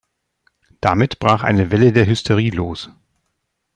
Damit brach eine Welle der Hysterie los.